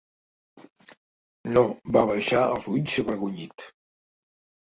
No —va abaixar els ulls, avergonyit—.